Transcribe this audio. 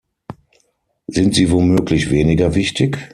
Sind sie womöglich weniger wichtig?